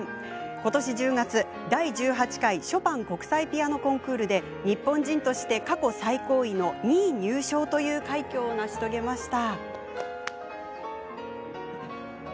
ことし１０月、第１８回ショパン国際ピアノコンクールで日本人として過去最高位の２位入賞という快挙を成し遂げました。